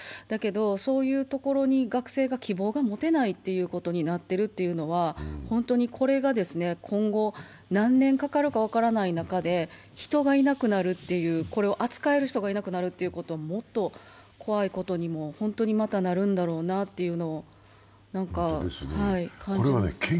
だけど、そういうところに学生が希望が持てないということになっているというのは本当にこれが今後、何年かかるか分からない中で、これを扱える人がいなくなるというのは怖いことに、本当にまたなるんだろうなということを感じます。